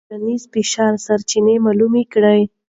د ټولنیز فشار سرچینه معلومه کړه.